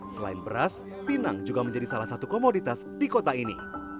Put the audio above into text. selain beras pinang juga menjadi salah satu komoditas di kota ini